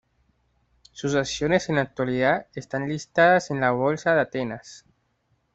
Sus acciones en la actualidad están listadas en la bolsa de Atenas.